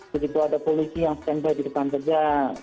begitu ada polisi yang stand by di depan kerja